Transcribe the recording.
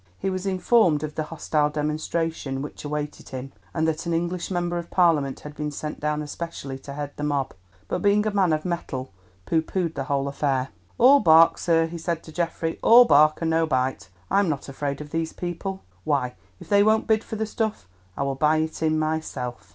He was informed of the hostile demonstration which awaited him, and that an English member of Parliament had been sent down especially to head the mob, but being a man of mettle pooh poohed the whole affair. "All bark, sir," he said to Geoffrey, "all bark and no bite; I'm not afraid of these people. Why, if they won't bid for the stuff, I will buy it in myself."